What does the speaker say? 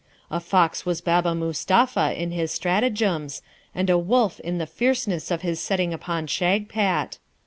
A fox was Baba Mustapha in his stratagems, and a wolf in the fierceness of his setting upon Shagpat.